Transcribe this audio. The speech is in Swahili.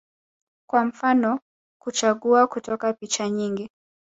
kwa mfano kuchagua kutoka picha nyingi